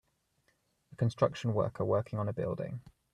A construction worker working on a building.